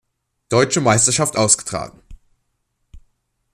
Deutsche Meisterschaft ausgetragen.